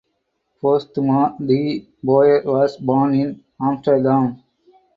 Posthuma de Boer was born in Amsterdam.